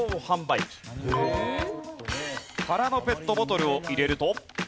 空のペットボトルを入れると。